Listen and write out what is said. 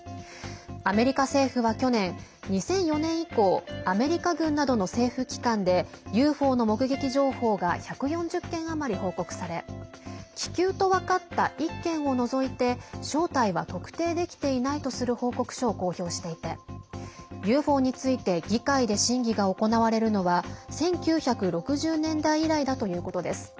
アメリカ政府は去年２００４年以降アメリカ軍などの政府機関でＵＦＯの目撃情報が１４０件余り報告され気球と分かった１件を除いて正体は特定できていないとする報告書を公表していてＵＦＯについて議会で審議が行われるのは１９６０年代以来だということです。